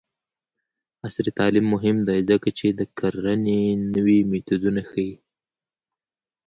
عصري تعلیم مهم دی ځکه چې د کرنې نوې میتودونه ښيي.